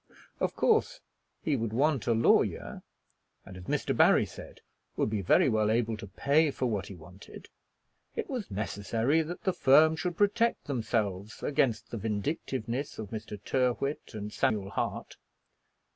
Of course he would want a lawyer, and, as Mr. Barry said, would be very well able to pay for what he wanted. It was necessary that the firm should protect themselves against the vindictiveness of Mr. Tyrrwhit and Samuel Hart.